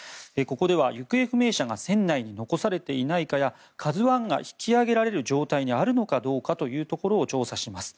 ここでは行方不明者が船内に残されていないかや「ＫＡＺＵ１」が引き揚げられる状態にあるのかどうかというところを調査します。